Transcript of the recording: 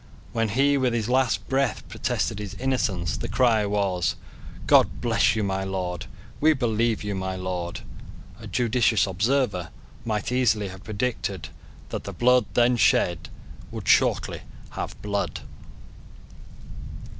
When he with his last breath protested his innocence, the cry was, "God bless you, my Lord! We believe you, my Lord." A judicious observer might easily have predicted that the blood then shed would shortly have blood.